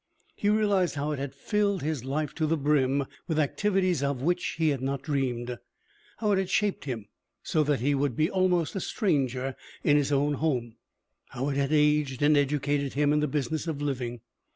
He realized how it had filled his life to the brim with activities of which he had not dreamed, how it had shaped him so that he would be almost a stranger in his own home, how it had aged and educated him in the business of living.